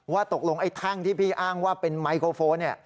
ว่าตกลงให้ทั้งที่พี่อ้างว่าเป็นไมโครโฟน